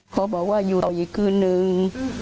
เขาบอกว่าอยู่เอาอีกคืนนึง